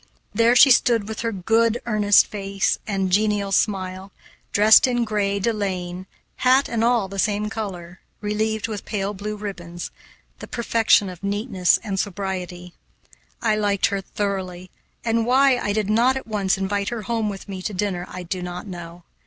There she stood, with her good, earnest face and genial smile, dressed in gray delaine, hat and all the same color, relieved with pale blue ribbons, the perfection of neatness and sobriety. I liked her thoroughly, and why I did not at once invite her home with me to dinner, I do not know.